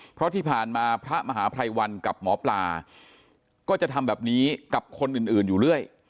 เพราะที่ผ่านมาพระมหาภัยวันกับหมอปลาก็จะทำแบบนี้กับคนอื่นอยู่เรื่อย